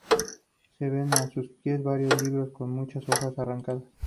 Se ven a sus pies varios libros con muchas hojas arrancadas.